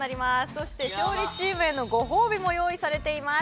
そして勝利チームへのご褒美も用意されています